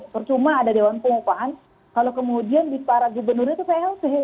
percuma ada dewan pengupahan kalau kemudian di para gubernur itu plt